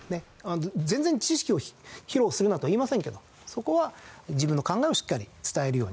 全然知識を披露するなとは言いませんけどそこは自分の考えをしっかり伝えるように。